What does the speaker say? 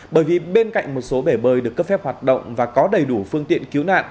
bởi vì bên cạnh một số bể bơi được cấp phép hoạt động và có đầy đủ phương tiện cứu nạn